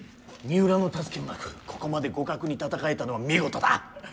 三浦の助けもなくここまで互角に戦えたのは見事だ。